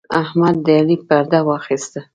احمد د علي پرده واخيسته.